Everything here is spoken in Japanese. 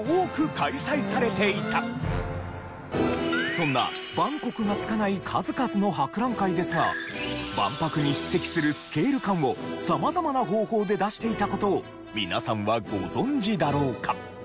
そんな「万国」が付かない数々の博覧会ですが万博に匹敵するスケール感を様々な方法で出していた事を皆さんはご存じだろうか？